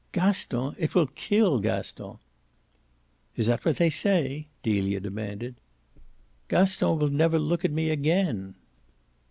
"Gaston? it will kill Gaston!" "Is that what they say?" Delia demanded. "Gaston will never look at me again."